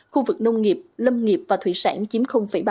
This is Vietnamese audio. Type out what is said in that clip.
khu vực nông nghiệp lâm nghiệp và thủy sản chiếm ba mươi hai